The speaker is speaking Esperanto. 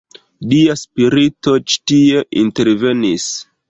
Dia spirito ĉi tie intervenis.